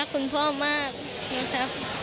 เอ่อรักคุณพ่อมากนะครับ